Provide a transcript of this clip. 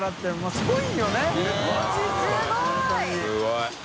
すごい！